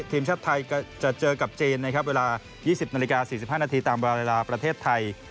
ทีมชาติไทยจะเจอกับจีนนะครับเวลา๒๐นาฬิกา๔๕นาทีตามเวลาประเทศไทย